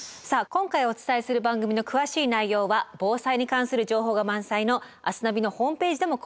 今回お伝えする番組の詳しい内容は防災に関する情報が満載の「明日ナビ」のホームページでも公開中です。